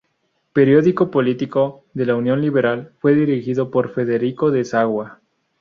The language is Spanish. Periódico político de la Unión Liberal, fue dirigido por Federico de Sawa.